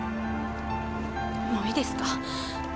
もういいですか？